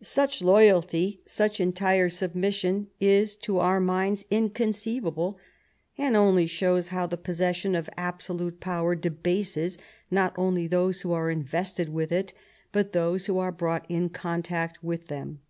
Such loyalty, such entire submission, is to our minds inconceivable, and only shows how the possession of absolute power debases not only those who are invested with it but those who are brought in contact with them.